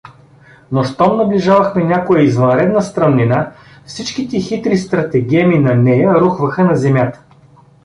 Но щом наближавахме някоя извънредна стръмнина, всичките хитри стратегеми на Нея рухваха на земята.